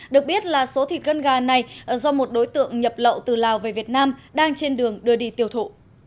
được biết là số thịt cân gà này do một đối tượng nhập lậu từ lào về việt nam đang trên đường đưa đi tiêu thụ